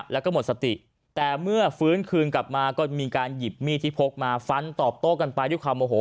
แล้วก็หมดสติแต่เมื่อฟื้นคืนกลับมาก็มีการหยิบมีดที่พกมาฟันตอบโต้กันไปด้วยความโอโห